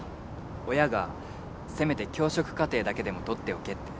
親がせめて教職課程だけでも取っておけって。